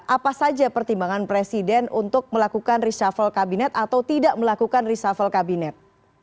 apa saja pertimbangan presiden untuk melakukan reshuffle kabinet atau tidak melakukan reshuffle kabinet